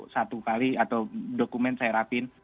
satu kali atau dokumen saya rapin